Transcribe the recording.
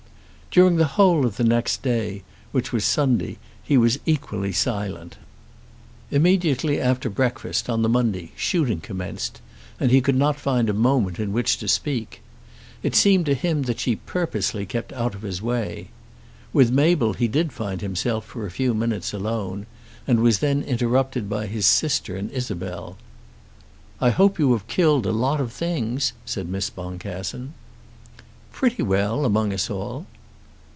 During the whole of the next day, which was Sunday, he was equally silent. Immediately after breakfast, on the Monday, shooting commenced, and he could not find a moment in which to speak. It seemed to him that she purposely kept out of his way. With Mabel he did find himself for a few minutes alone, and was then interrupted by his sister and Isabel. "I hope you have killed a lot of things," said Miss Boncassen. "Pretty well, among us all."